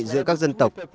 giữa các dân tộc